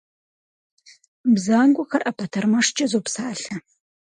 Бзагуэхэр ӏэпэтэрмэшкӏэ зопсалъэ.